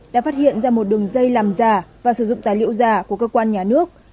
đã phát hiện ra một đường dây làm giả và sử dụng tài liệu giả của cơ quan nhà nước